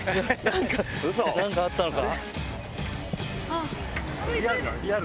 何かあったのか？